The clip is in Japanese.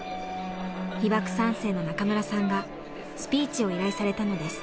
被爆３世の中村さんがスピーチを依頼されたのです。